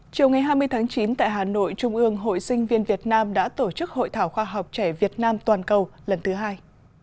chiều ngày hai mươi tháng chín tại hà nội trung ương hội sinh viên việt nam đã tổ chức hội thảo khoa học trẻ việt nam toàn cầu lần thứ hai